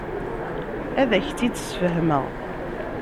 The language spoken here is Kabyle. Ad ak-tt-id-sfehmeɣ.